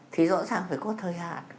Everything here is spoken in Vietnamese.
thì rõ ràng phải có thời hạn